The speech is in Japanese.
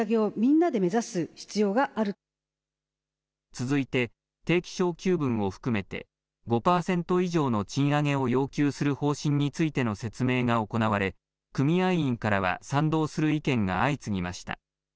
続いて定期昇給分を含めて５パーセント以上の賃上げを要求する方針についての説明が行われ、組合員からは賛同する意見が相次ぎました。